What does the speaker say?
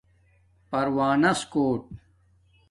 پروانس کݸٹ